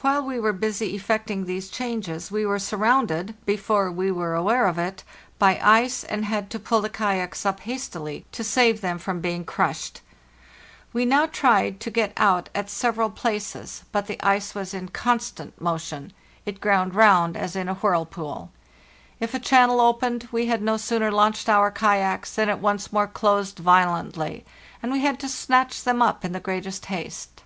While we were busy effecting these changes we were surrounded, before we were aware of it, by ice, and had to pull the kayaks up hastily to save them from being crushed. We now tried to get out at several places, but STREAMERS OF AURORA BorEALIS, 28th November 1893. Pastel Sketch. . At LAND AT LAST 401 the ice was in constant motion; it ground round as in a whirlpool. If a channel opened, we had no sooner launched our kayaks than it once more closed violently, and we had to snatch them up in the greatest haste.